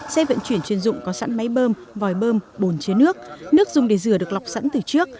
xe vận chuyển chuyên dụng có sẵn máy bơm vòi bơm bồn chế nước nước dùng để rửa được lọc sẵn từ trước